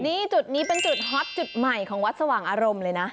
นี่จุดนี้เป็นจุดฮอตจุดใหม่ของวัดสว่างอารมณ์เลยนะ